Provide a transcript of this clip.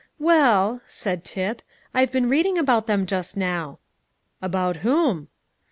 "Well," said Tip, "I've been reading about them just now." "About whom?"